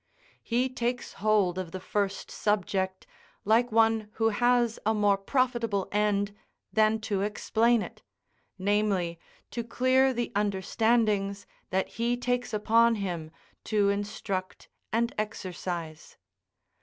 He takes hold of the first subject like one who has a more profitable end than to explain it namely, to clear the understandings that he takes upon him to instruct and exercise.